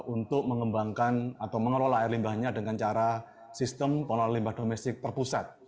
untuk mengembangkan atau mengelola air limbahnya dengan cara sistem pengelolaan limbah domestik terpusat